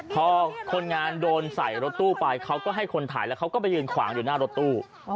พอคนงานโดนใส่รถตู้ไปเขาก็ให้คนถ่ายแล้วเขาก็ไปยืนขวางอยู่หน้ารถตู้